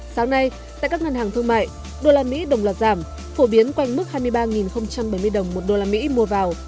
sáng nay tại các ngân hàng thương mại đô la mỹ đồng loạt giảm phổ biến quanh mức hai mươi ba bảy mươi đồng một đô la mỹ mua vào